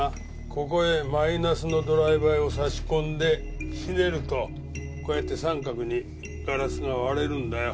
ここへマイナスのドライバーを差し込んでひねるとこうやって三角にガラスが割れるんだよ。